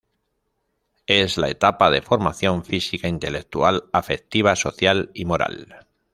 Es la etapa de formación física, intelectual, afectiva, social y moral.